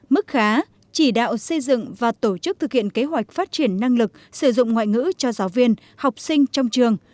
mức khá chỉ đạo xây dựng và tổ chức thực hiện kế hoạch phát triển năng lực sử dụng ngoại ngữ cho giáo viên học sinh trong trường